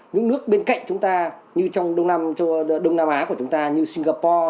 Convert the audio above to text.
những nước bên cạnh chúng ta như trong đông nam á của chúng ta như singapore